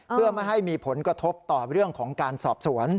เพื่อไม่ให้มีผลกระทบต่อเรื่องของการสอบสวน